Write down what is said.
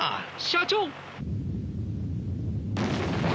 社長！